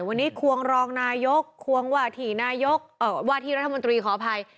วันนี้ควงรองนายกควงวาถี่นายกว่าที่รัฐมนตรีขออภัย